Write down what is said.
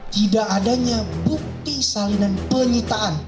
tidak adanya bukti salinan penyitaan